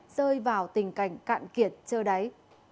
rơi vào tình cảnh cạn kiệt trơ đáy